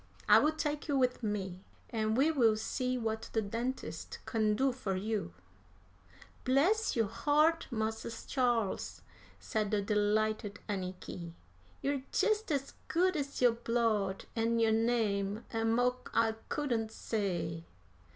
I will take you with me, and we will see what the dentist can do for you." "Bless yo' heart, Mars' Charles!" said the delighted Anniky; "you're jest as good as yo' blood and yo' name, and mo' I couldn't say."